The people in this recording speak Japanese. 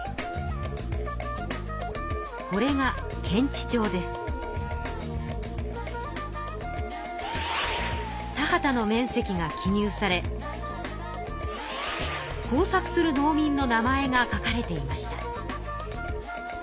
これが田畑の面積が記入され耕作する農民の名前が書かれていました。